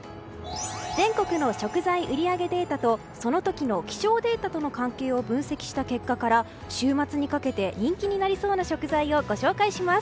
全国の食材売り上げデータとその時の気象データとの関係を分析した結果から週末にかけて人気になりそうな食材をご紹介します。